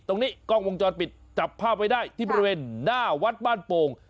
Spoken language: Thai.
ตรงนี้กล้องวงจรปิดจับภาพไว้ได้ที่บริเวณหน้าวัดบ้านโป่ง